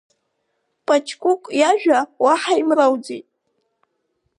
Паҷкәыкә иажәа уаҳа имроуӡеит.